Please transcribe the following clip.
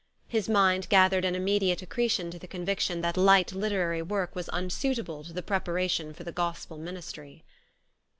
His mind gathered an immediate accretion to the convic tion that light literary work was unsuitable to the preparation for the gospel ministry.